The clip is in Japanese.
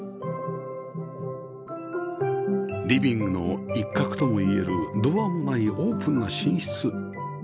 リビングの一角ともいえるドアもないオープンな寝室